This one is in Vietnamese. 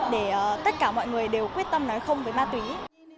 để tất cả mọi người đều quyết tâm nói không với ma túy